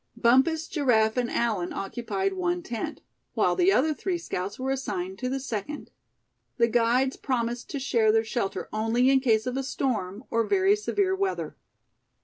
Bumpus, Giraffe and Allan occupied one tent; while the other three scouts were assigned to the second. The guides promised to share their shelter only in case of a storm, or very severe weather.